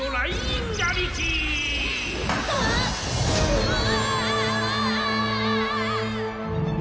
うわ！